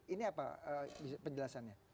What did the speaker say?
ini apa penjelasannya